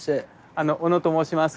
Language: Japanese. あの小野と申します。